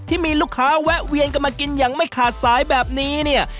ที่มีลูกค้าแวะเวียนกันมากินอย่างไม่ขาดสายแบบนี้เนี่ย